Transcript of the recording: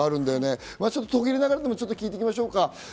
途切れながらでも聞いていきましょうか。